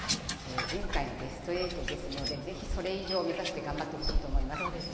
前回ベスト８ですからそれ以上を目指して頑張ってほしいと思います。